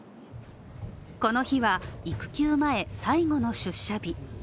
この日は育休前、最後の出社日。